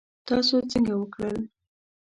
تاسو څنګه وکړل؟